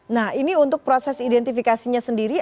nah ini untuk proses identifikasinya sendiri